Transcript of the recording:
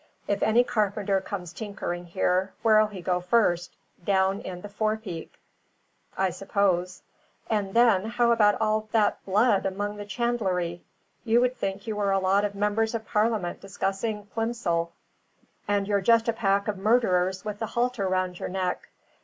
If any carpenter comes tinkering here, where'll he go first? Down in the forepeak, I suppose! And then, how about all that blood among the chandlery? You would think you were a lot of members of Parliament discussing Plimsoll; and you're just a pack of murderers with the halter round your neck.